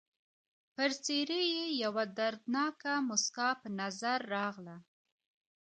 پر څېره یې یوه دردناکه مسکا په نظر راغله.